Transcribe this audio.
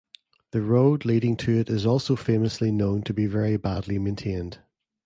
The road leading to it is also famously known to be very badly maintained.